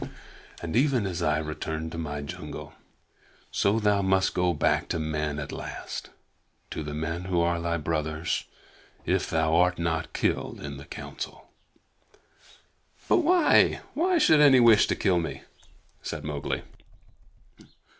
"And even as I returned to my jungle, so thou must go back to men at last to the men who are thy brothers if thou art not killed in the Council." "But why but why should any wish to kill me?" said Mowgli.